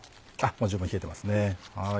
十分冷えてますね。